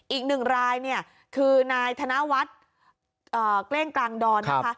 อีกหนึ่งรายเนี่ยคือนายธนวัฒน์เกล้งกลางดอนนะคะ